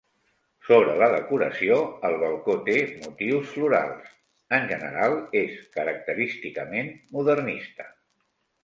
Sobre la decoració, el balcó té motius florals, en general és característicament modernista.